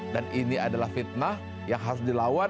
dan ini adalah fitnah yang harus dilawan